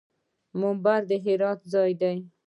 منبر د هدایت ځای دی